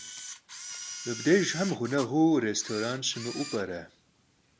Mıbdêjjxem ğuneğuu rêstoran şımı'eu p'ere?